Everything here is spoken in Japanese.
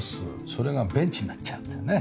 それがベンチになっちゃうっていうね。